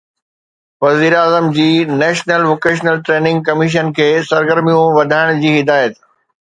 وزيراعظم جي national vocational training commission کي سرگرميون وڌائڻ جي هدايت